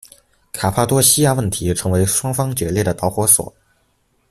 卡帕多细亚问题成为双方决裂的导火索。